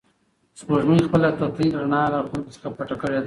سپوږمۍ خپله تتې رڼا له خلکو څخه پټه کړې ده.